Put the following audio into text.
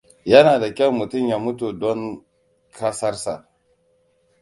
Yana da kyau mutum ya mutu don kasarsa.